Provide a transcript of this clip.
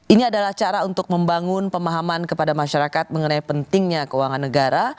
ini adalah cara untuk membangun pemahaman kepada masyarakat mengenai pentingnya keuangan negara